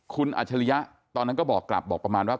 คุณอัจฉริยะตอนนั้นก็บอกกลับบอกประมาณว่า